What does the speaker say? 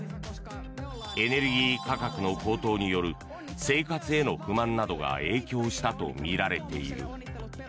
エネルギー価格の高騰による生活への不満などが影響したとみられている。